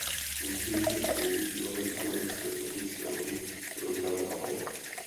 Později jej používaly americké kosmické lodi programu Apollo.